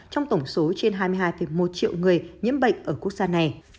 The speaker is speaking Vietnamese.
trong tổng số trên hai mươi hai một triệu người nhiễm bệnh ở quốc gia này